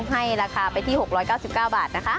ให้ราคาไปที่๖๙๙บาทนะคะ